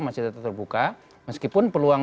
masih tetap terbuka meskipun peluang